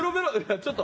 ちょっと！